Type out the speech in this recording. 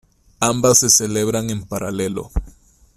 Ambas se celebran en paralelo.